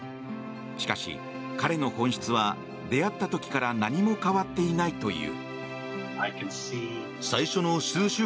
しかし、彼の本質は出会った時から何も変わっていないという。